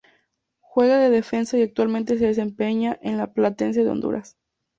Juega de defensa y actualmente se desempeña en el Platense de Honduras.